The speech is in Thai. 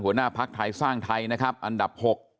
หัวหน้าภักดิ์ไทยสร้างไทยนะครับอันดับ๖